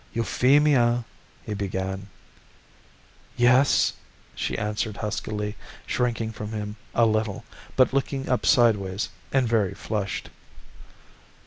"Euphemia " he began. "Yes?" she answered huskily, shrinking from him a little, but looking up sideways, and very flushed.